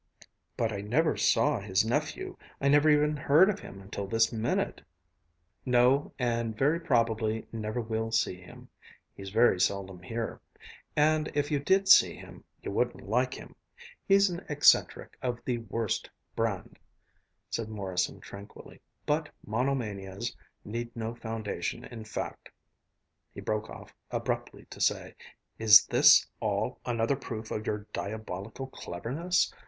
"But I never saw his nephew. I never even heard of him until this minute." "No, and very probably never will see him. He's very seldom here. And if you did see him, you wouldn't like him he's an eccentric of the worst brand," said Morrison tranquilly. "But monomanias need no foundation in fact " He broke off abruptly to say: "Is this all another proof of your diabolical cleverness?